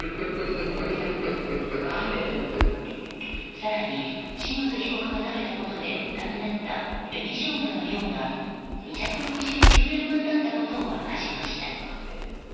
更に嶋津被告が食べたことで無駄になった紅ショウガの量が２６９円分だったことを明かしました。